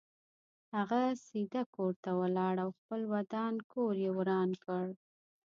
هغه سیده کور ته ولاړ او خپل ودان کور یې وران کړ.